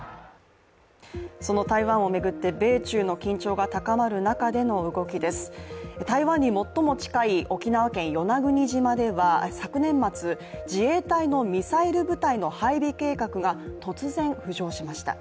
その台湾を巡って米中の動きの緊張が高まる中、台湾に最も近い沖縄県与那国島では昨年末、自衛隊のミサイル部隊の配備計画が突然、浮上しました。